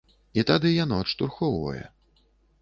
І тады яно адштурхоўвае.